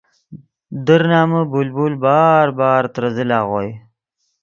در نمن بلبل بار بار ترے زل اغوئے